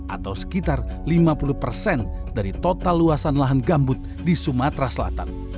atau sekitar lima puluh persen dari total luasan lahan gambut di sumatera selatan